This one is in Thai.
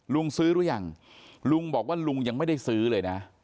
ลุงซื้อหรือยังลุงบอกว่าลุงยังไม่ได้ซื้อเลยนะ